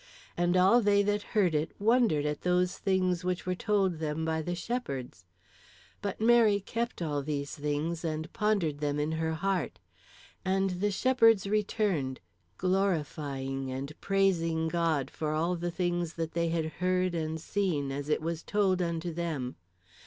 And all they that heard it wondered at those things which were told them by the shepherds. But Mary kept all these things, and pondered them in her heart. And the shepherds returned, glorifying and praising God for all the things that they had heard and seen, as it was told unto them.